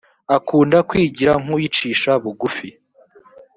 akunda kwigira nk’uwicisha bugufi